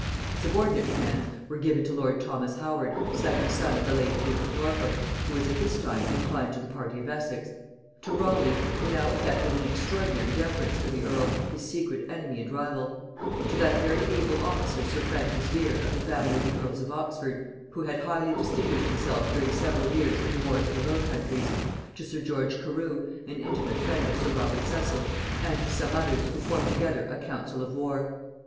] Subordinate commands were given to lord Thomas Howard, second son of the late duke of Norfolk, who was at this time inclined to the party of Essex; to Raleigh, who now affected an extraordinary deference for the earl, his secret enemy and rival; to that very able officer sir Francis Vere of the family of the earls of Oxford, who had highly distinguished himself during several years in the wars of the Low Countries; to sir George Carew, an intimate friend of sir Robert Cecil; and to some others, who formed together a council of war.